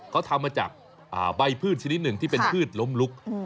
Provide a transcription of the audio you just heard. เขาทำมาจากใบพืชชนิดหนึ่งที่เป็นพืชล้มลุก